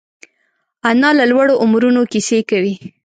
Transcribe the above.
انا له لوړو عمرونو کیسې کوي